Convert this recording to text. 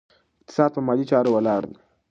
اقتصاد په مالي چارو ولاړ دی.